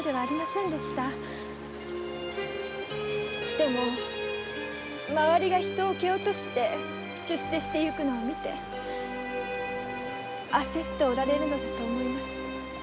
でも周りが人を蹴落として出世してゆくのを見て焦っておられるのだと思います。